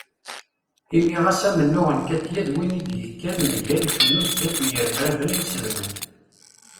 Imi ɣas amennuɣ n Katiya d win i d-yekkan mgal kennu zdat n yirebraben inselmen.